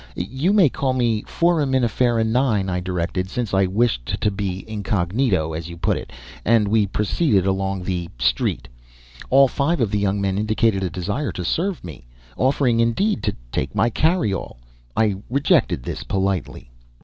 "You may call me Foraminifera 9," I directed, since I wished to be incognito, as you put it, and we proceeded along the "street." All five of the young men indicated a desire to serve me, offering indeed to take my carry all. I rejected this, politely.